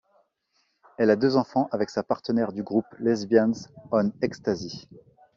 Elle a deux enfants avec sa partenaire du groupe Lesbians on Ecstasy.